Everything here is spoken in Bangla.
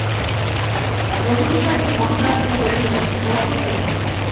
নবীনকালী ঝংকার দিয়া বলিলেন, বটেই তো!